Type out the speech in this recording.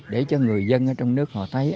để cho người dân ở trong nước họ thấy